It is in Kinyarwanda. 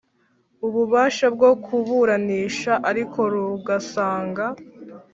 Ububasha bwo kuburanisha ariko rugasanga